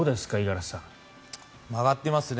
曲がってますね。